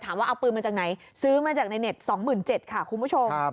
ว่าเอาปืนมาจากไหนซื้อมาจากในเน็ต๒๗๐๐ค่ะคุณผู้ชม